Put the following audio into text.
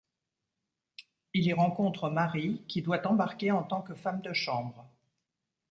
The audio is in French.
Il y rencontre Marie, qui doit embarquer en tant que femme de chambre.